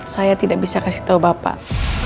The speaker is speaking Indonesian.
saya tidak bisa kasih tahu bapak